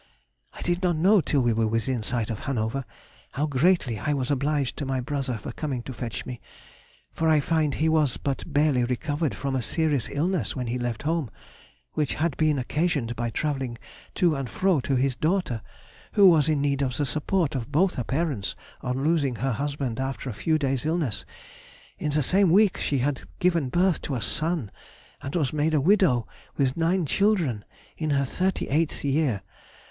I did not know till we were within sight of Hanover how greatly I was obliged to my brother for coming to fetch me, for I find he was but barely recovered from a serious illness when he left home, which had been occasioned by travelling to and fro to his daughter, who was in need of the support of both her parents on losing her husband after a few days' illness; in the same week she had given birth to a son, and was made a widow with nine children in her 38th year.